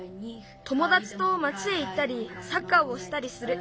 ともだちと町へ行ったりサッカーをしたりする。